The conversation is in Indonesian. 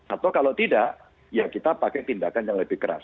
atau kalau tidak ya kita pakai tindakan yang lebih keras